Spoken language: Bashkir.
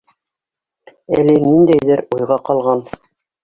Әле ниндәйҙер уйға ҡалған.